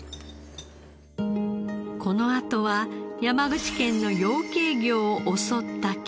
このあとは山口県の養鶏業を襲った危機。